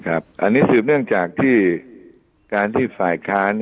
อันนี้สืบเนื่องจากที่การที่ฝ่ายค้าน